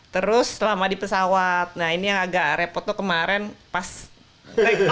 terus selama di pesawat nah ini yang agak repot tuh kemarin pas lagi